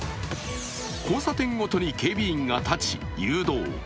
交差点ごとに警備員が立ち誘導。